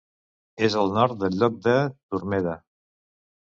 És al nord del lloc de Turmeda.